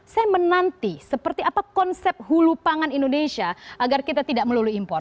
saya menanti seperti apa konsep hulu pangan indonesia agar kita tidak melulu impor